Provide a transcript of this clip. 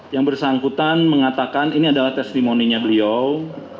yang bersangkutan mengatakan ini adalah testimoninya beliau